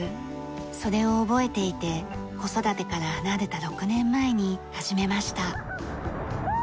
それを覚えていて子育てから離れた６年前に始めました。